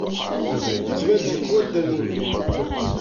Yettban-d yeqwa Dda Lmulud.